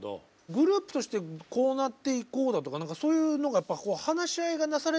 グループとしてこうなっていこうだとかそういうのがやっぱり話し合いがなされたってことですか？